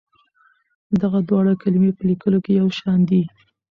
دغه دواړه کلمې په لیکلو کې یو شان دي.